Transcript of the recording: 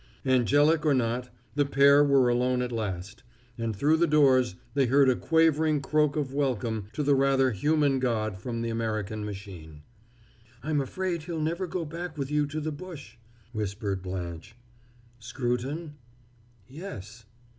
Angelic or not, the pair were alone at last; and through the doors they heard a quavering croak of welcome to the rather human god from the American machine. "I'm afraid he'll never go back with you to the bush," whispered Blanche. "Scruton?" "Yes."